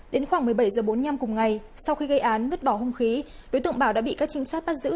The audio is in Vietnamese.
đến khoảng một mươi bảy h bốn mươi năm cùng ngày sau khi gây án vứt bỏ hung khí đối tượng bảo đã bị các trinh sát bắt giữ